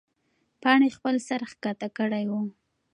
پاڼې خپل سر ښکته کړی و.